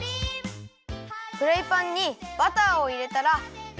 フライパンにバターをいれたらよ